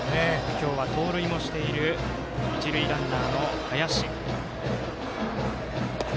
今日は盗塁もしている一塁ランナーの林。